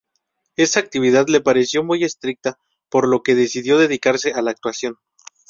Esa actividad le pareció muy estricta por lo que decidió dedicarse a la actuación.